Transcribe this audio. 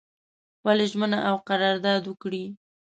ولي ژمنه او قرارداد وکړي.